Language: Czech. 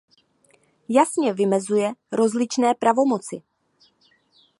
Jasně vymezuje rozličné pravomoci.